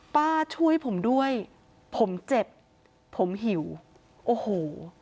ป้าช่วยผมด้วยผมเจ็บผมหิวโอ้โห